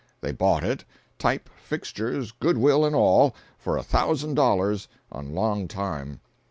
They bought it, type, fixtures, good will and all, for a thousand dollars, on long time.